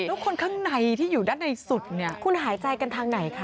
แล้วคนข้างในที่อยู่ด้านในสุดเนี่ยคุณหายใจกันทางไหนคะ